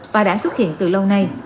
và đã xuất hiện từ lâu nay